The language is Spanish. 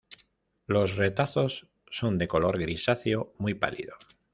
Los retazos son de color grisáceo muy pálido.